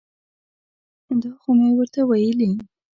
دا خو مې ورته ویلي.